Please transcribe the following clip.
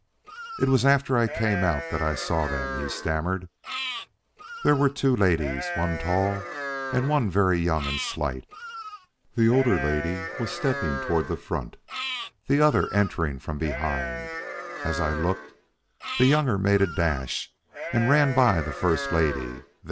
"It was after I came out that I saw them," he stammered. "There were two ladies, one tall and one very young and slight. The older lady was stepping toward the front, the other entering from behind. As I looked, the younger made a dash and ran by the first lady.